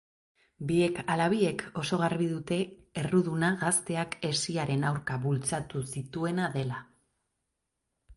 Biek ala biek oso garbi dute erruduna gazteak hesiaren aurka bultzatu zituena dela.